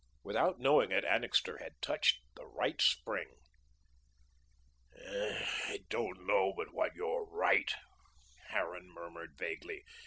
Without knowing it, Annixter had touched the right spring. "I don't know but what you're right," Harran murmured vaguely.